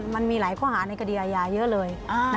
มันมีหลายข้อหาในคดีอาญาเยอะเลย